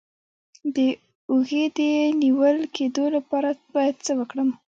د اوږې د نیول کیدو لپاره باید څه وکړم؟